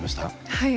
はい。